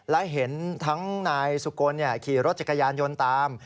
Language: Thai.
และเห็นทั้งนายสุกลขี่รถจักรยานยนต์ตาม